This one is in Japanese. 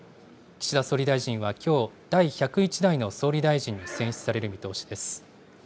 岸田総理大臣はきょう、第１０１代の総理大臣に選出される見通しです。